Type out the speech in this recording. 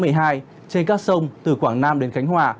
trên các sông từ quảng nam đến khánh hòa